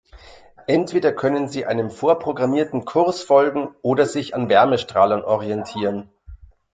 Entweder können sie einem vorprogrammierten Kurs folgen oder sich an Wärmestrahlern orientieren.